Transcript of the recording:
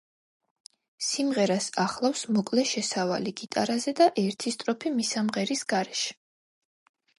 სიმღერას ახლავს მოკლე შესავალი გიტარაზე და ერთი სტროფი, მისამღერის გარეშე.